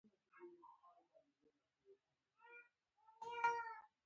کروندګر د فصلونو په بدلون حساس دی